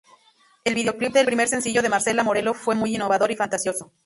El videoclip del primer sencillo de Marcela Morelo fue muy innovador y fantasioso.